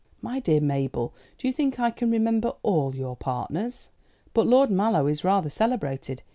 "My dear Mabel, do you think I can remember all your partners?" "But Lord Mallow is rather celebrated.